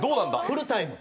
フルタイム。